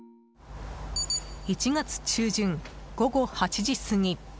１月中旬、午後８時すぎ。